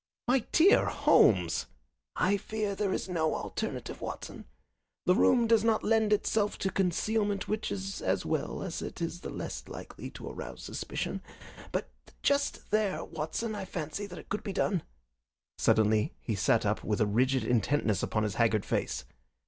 "My dear Holmes!" "I fear there is no alternative, Watson. The room does not lend itself to concealment, which is as well, as it is the less likely to arouse suspicion. But just there, Watson, I fancy that it could be done." Suddenly he sat up with a rigid intentness upon his haggard face.